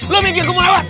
lo minggir gue mau lewat